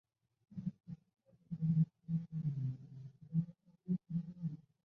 音译卡蒂斯玛。